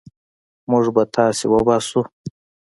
موږ به تاسي وباسو.